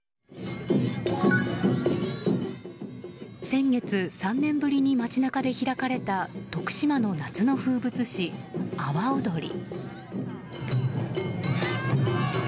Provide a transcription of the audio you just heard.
先月、３年ぶりに街中で開かれた徳島の夏の風物詩、阿波おどり。